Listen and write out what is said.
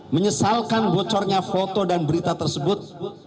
menyesalkan bocornya foto dan berita tersebut